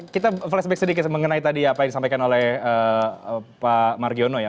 kita flashback sedikit mengenai tadi apa yang disampaikan oleh pak margiono ya